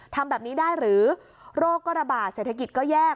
ทำแบบนี้ได้หรือโรคก็ระบาดเศรษฐกิจก็แยก